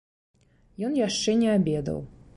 Ён яшчэ не абедаў.